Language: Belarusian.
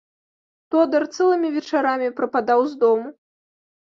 Тодар цэлымі вечарамі прападаў з дому.